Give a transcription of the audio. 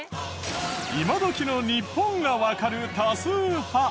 今どきの日本がわかる多数派。